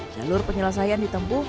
jalur penyelesaian ditempuh